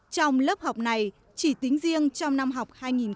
trong lớp học này chỉ tính riêng trong năm học